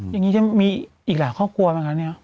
อย่างนี้จะมีอีกหลายเข้าครัวมั้ยครับเนี่ย